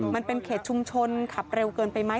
มันเป็นเขตชุมชนขับเร็วเกินไปไหม